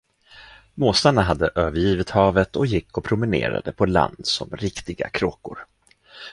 Måsarna hade övergivit havet och gick och promenerade på land som riktiga kråkor.